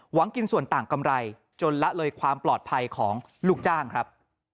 กินส่วนต่างกำไรจนละเลยความปลอดภัยของลูกจ้างครับ